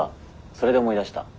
それで思い出した。